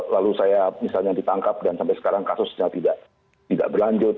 lalu saya misalnya ditangkap dan sampai sekarang kasusnya tidak berlanjut